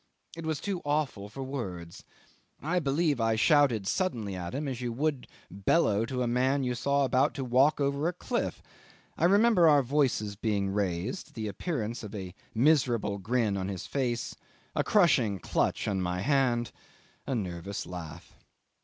It was too awful for words. I believe I shouted suddenly at him as you would bellow to a man you saw about to walk over a cliff; I remember our voices being raised, the appearance of a miserable grin on his face, a crushing clutch on my hand, a nervous laugh.